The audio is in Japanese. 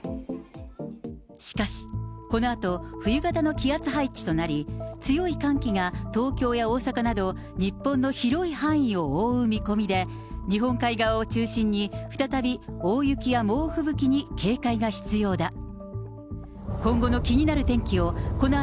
しかし、このあと冬型の気圧配置となり、強い寒気が東京や大阪など、日本の広い範囲を覆う見込みで、日本海側を中心に、再び大雪や猛吹雪に警戒が必要だ。